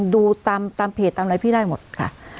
ดูตามเพจตามอะไรพี่ได้หมดค่ะ